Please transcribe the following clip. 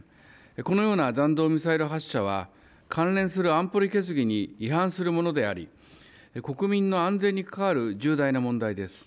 このような弾道ミサイル発射は関連する安保理決議に違反するものであり国民の安全に関わる重大な問題です。